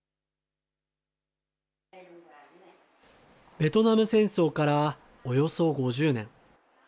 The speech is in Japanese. ベトナム戦争からおよそ５０年。